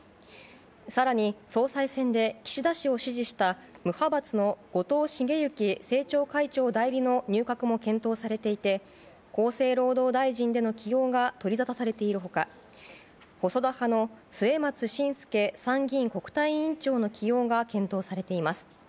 更に、総裁選で岸田氏を支持した無派閥の後藤茂之政調会長代理の入閣も検討されていて厚生労働大臣での起用が取りざたされている他細田派の末松信介参議院国対委員長の起用が検討されています。